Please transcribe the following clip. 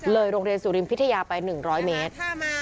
โรงเรียนสุรินพิทยาไป๑๐๐เมตร